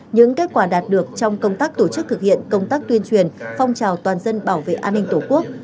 những kết quả đạt được trong công tác tổ chức thực hiện công tác tuyên truyền phong trào toàn dân bảo vệ an ninh tổ quốc